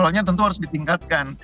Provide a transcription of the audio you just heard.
levelnya tentu harus ditingkatkan